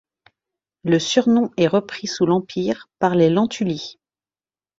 Le surnom est repris sous l'Empire par les Lentuli.